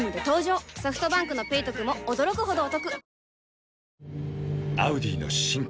ソフトバンクの「ペイトク」も驚くほどおトク